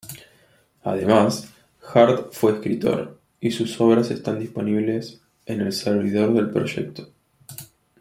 Además, Hart fue escritor, y sus obras están disponibles en el servidor del proyecto.